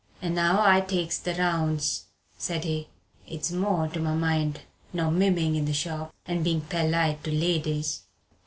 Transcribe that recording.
"And now I takes the rounds," said he; "it's more to my mind nor mimming in the shop and being perlite to ladies."